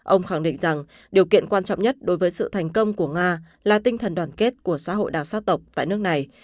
ông khẳng định rằng điều kiện quan trọng nhất đối với sự thành công của nga là tinh thần đoàn kết của xã hội đào xa tộc tại nước này